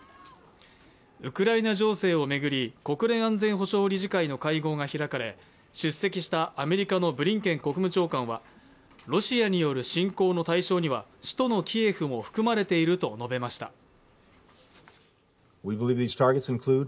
ウクライナ情勢を巡り国連安全保障理事会の会合が開かれ出席したアメリカのブリンケン国務長官はロシアによる侵攻の対象には首都のキエフも含まれていると述べました。